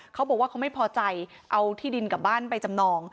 เขาบอกว่าเขาไม่พอใจเอาที่ดินกลับบ้านไปจำนอง